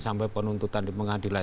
sampai penuntutan di pengadilan